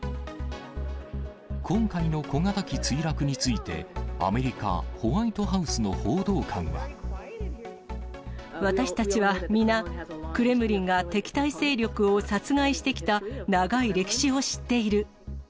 今回の小型機墜落について、アメリカ・ホワイトハウスの報道私たちは皆、クレムリンが敵対勢力を殺害してきた長い歴史を知っている。